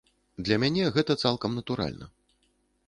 Для мяне гэта цалкам натуральна.